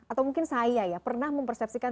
atau mungkin saya ya pernah mempersepsikan